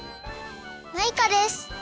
マイカです！